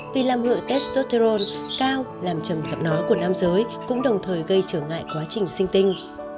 vì làm lượng testosterone cao làm chầm giọng nó của nam giới cũng đồng thời gây trở ngại quá trình sinh tinh